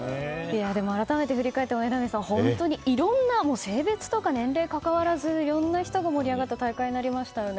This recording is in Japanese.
改めて振り返っても榎並さん、本当にいろんな性別とか年齢関わらずいろんな人が盛り上がった大会になりましたね。